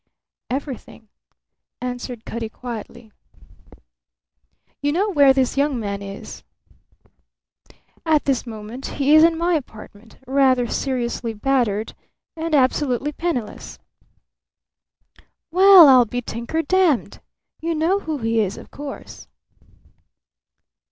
"Everything," answered Cutty, quietly. "You know where this young man is?" "At this moment he is in my apartment, rather seriously battered and absolutely penniless." "Well, I'll be tinker dammed! You know who he is, of course?"